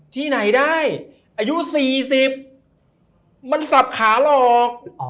ที่ไหนได้อายุ๔๐มันสับขาหลอก